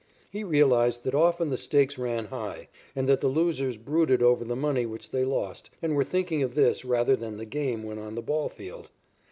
He realized that often the stakes ran high and that the losers brooded over the money which they lost and were thinking of this rather than the game when on the ball field.